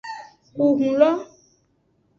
Ku hun lo.